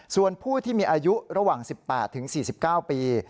ส่วนผู้ที่มีอายุระหว่าง๑๘๔๙ปี